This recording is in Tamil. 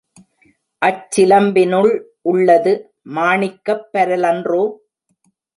அச் சிலம்பினுள் உள்ளது மாணிக்கப் பரலன்றோ?